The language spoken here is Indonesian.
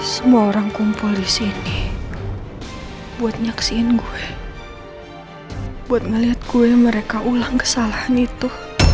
semua orang kumpul disini buat nyaksiin gue buat melihat gue mereka ulang kesalahan itu